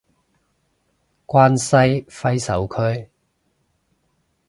關西揮手區